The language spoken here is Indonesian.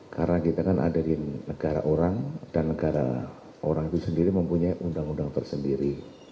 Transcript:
karena kita kan ada di negara orang dan negara orang itu sendiri mempunyai undang undang tersendiri